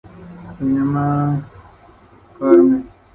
La llaman "Carmen La Tirana" por la dureza con que trata a los hombres.